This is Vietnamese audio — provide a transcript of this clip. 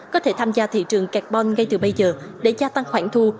có thể tham gia thị trường carbon ngay từ bây giờ để gia tăng khoản thu